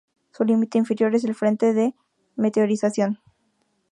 Su límite inferior es el frente de meteorización.